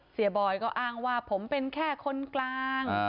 บอยก็อ้างว่าผมเป็นแค่คนกลาง